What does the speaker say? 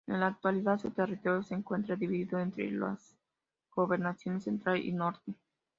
En la actualidad su territorio se encuentra dividido entre las Gobernaciones Central y Norte.